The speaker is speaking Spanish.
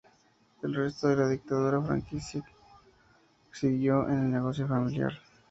El resto de la dictadura franquista siguió en el negocio familiar.